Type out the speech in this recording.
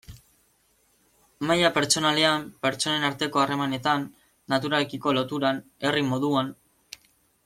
Maila pertsonalean, pertsonen arteko harremanetan, naturarekiko loturan, herri moduan...